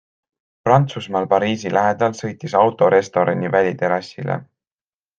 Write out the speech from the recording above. Prantsusmaal Pariisi lähedal sõitis auto restorani väliterrassile.